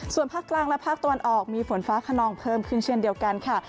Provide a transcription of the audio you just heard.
ส่วนภาคกลางและภาคตะวันออกมีฝนฟ้าขนองเพิ่มขึ้นเช่นเดียวกันค่ะ